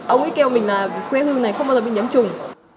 ông ấy kêu mình là que hương này không bao giờ bị nhấm trùng